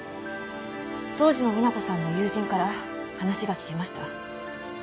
当時の美奈子さんの友人から話が聞けました。